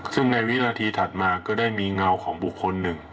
ซึ่งในวินาทีถัดมาก็ได้มีเงาของบุคคลหนึ่ง